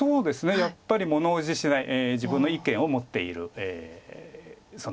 やっぱり物おじしない自分の意見を持っている少年でした。